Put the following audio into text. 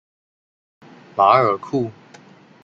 马尔库。